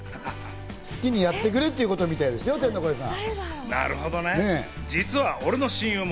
好きにやってくれってことみたいですよ、天の声さん。